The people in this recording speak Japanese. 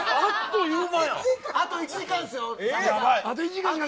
あと１時間ですよ。